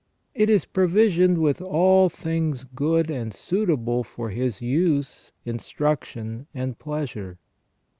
It is provisioned with all things good and suitable for his use, instruction, and pleasure.